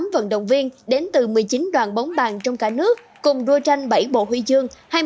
một trăm bảy mươi tám vận động viên đến từ một mươi chín đoàn bóng bàn trong cả nước cùng đua tranh bảy bộ huy chương